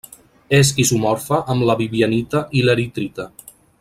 És isomorfa amb la vivianita i l'eritrita.